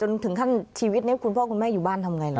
จนถึงขั้นชีวิตเน็ตคุณพ่อคุณแม่อยู่บ้านทำอย่างไร